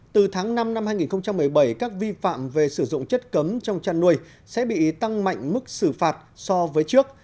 từ tháng năm năm hai nghìn một mươi bảy các vi phạm về sử dụng chất cấm trong chăn nuôi sẽ bị tăng mạnh mức xử phạt so với trước